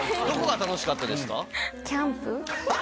どこが楽しかったですか？